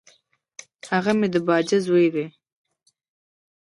هغه مي د باجه زوی دی .